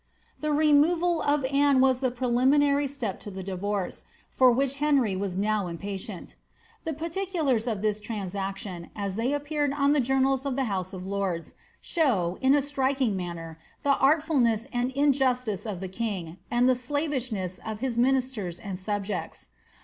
'" The removal of Anne was the preliminary step to the divorce, which Henry was now impatient. The particulars of this transactii as they appear on the journals of the house of lords, show, in a str ing manner, the artfulness and injustice of the king, and the slavishn of his ministers and subjects.